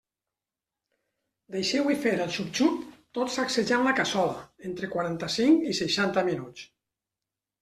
Deixeu-hi fer el xup-xup, tot sacsejant la cassola, entre quaranta-cinc i seixanta minuts.